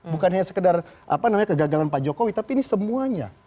bukannya sekedar kegagalan pak jokowi tapi ini semuanya